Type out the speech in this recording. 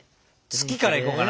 「月」からいこうかな。